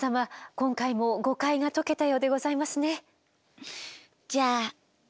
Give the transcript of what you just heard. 今回も誤解が解けたようでございますね。